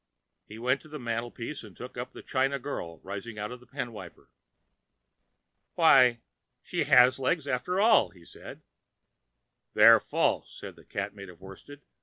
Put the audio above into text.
He went to the mantel piece and took up the China girl rising out of a pen wiper. "Why, she has legs after all," said he. "They're false," said the Cat made of worsted.